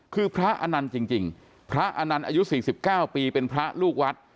คือพระอนันต์จริงพระอนันต์อายุ๔๙ปีเป็นพระลูกวัด